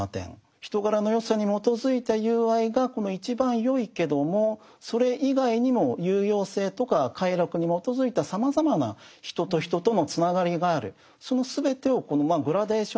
人柄の善さに基づいた友愛が一番よいけどもそれ以外にも有用性とか快楽に基づいたさまざまな人と人とのつながりがある。